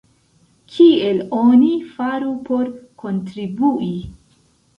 Kiel oni faru por kontribui?